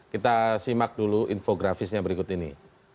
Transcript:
kita simak dulu infografisnya berikut ini